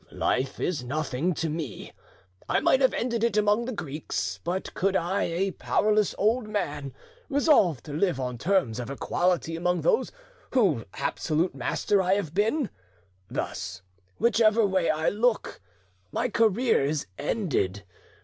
Life is nothing to me, I might have ended it among the Greeks, but could I, a powerless old man, resolve to live on terms of equality among those whose absolute master I have been? Thus, whichever way I look, my career is ended.